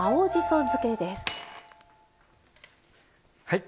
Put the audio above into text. はい。